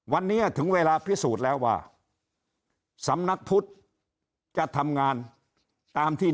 วันนี้ถึงเวลาพิสูจน์แล้วว่าสำนักพุทธจะทำงานตามที่